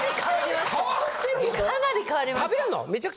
かなり変わりました。